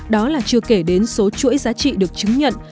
đó là chưa kể đến số chuỗi giá trị được chứng nhận